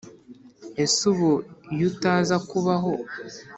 ese ubu iyo utaza kubaho